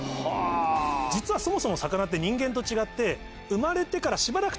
実はそもそも魚って人間と違って。